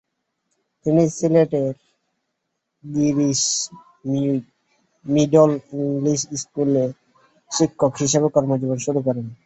তিনি সিলেটের Girish middle English স্কুলে শিক্ষক হিসাবে কর্মজীবন শুরু করেন।